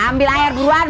ambil air buruan